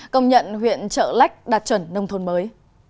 công nhận huyện trợ lách đạt chuẩn nông thôn mới